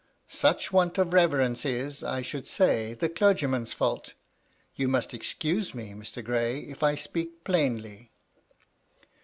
Such want of reverence is, I should say, the clergyman's fault You must excuse me, Mr. Gray, if I speak plainly."